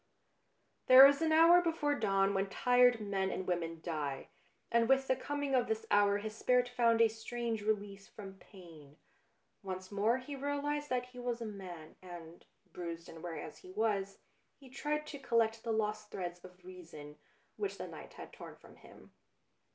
There is an hour before dawn when tired men and women die, and with the coming of this hour his spirit found a strange release from pain. Once more he realised that he was a man, and, bruised and weary as he was, he tried to collect the lost threads of reason, which the night had torn from him.